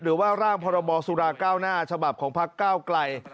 หรือว่าร่างพสก้าวหน้าฉบับของพก้าวไกล